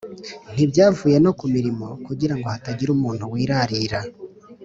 Ntibyavuye no ku mirimo, kugirango hatagira umuntu wirarira